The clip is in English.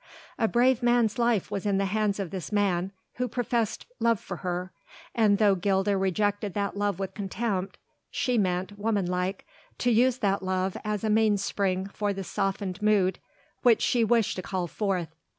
A brave man's life was in the hands of this man, who professed love for her; and though Gilda rejected that love with contempt, she meant, womanlike, to use that love as a mainspring for the softened mood which she wished to call forth.